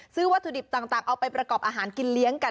วัตถุดิบต่างเอาไปประกอบอาหารกินเลี้ยงกัน